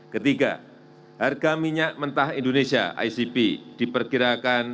ketiga harga minyak mentah indonesia icp diperkirakan